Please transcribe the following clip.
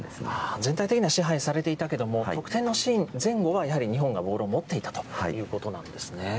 全体的には支配されていたけれども、得点のシーン前後はやはり日本がボールを持っていたということなんですね。